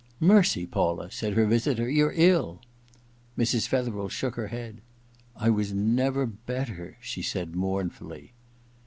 * Mercy, Paula,* said her visitor, • you're ill.* Mrs. Fetherel shook her head. * I was never better,' she said, mournfully.